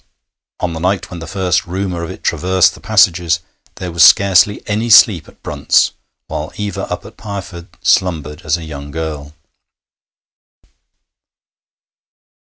On the night when the first rumour of it traversed the passages there was scarcely any sleep at Brunt's, while Eva up at Pireford slumbered as a young girl.